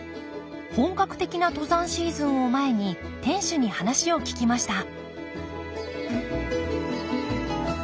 本格的な登山シーズンを前に店主に話を聞きました